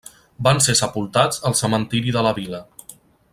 Van ser sepultats al cementiri de la vila.